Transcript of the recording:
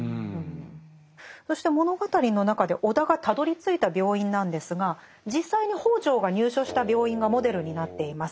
そして物語の中で尾田がたどりついた病院なんですが実際に北條が入所した病院がモデルになっています。